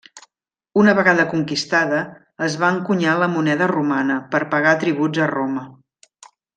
Una vegada conquistada, es va encunyar la moneda romana per a pagar tributs a Roma.